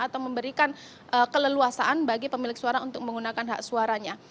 atau memberikan keleluasaan bagi pemilik suara untuk menggunakan hak suaranya